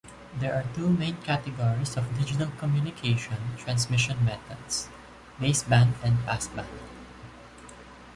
There are two main categories of digital communication transmission methods: baseband and passband.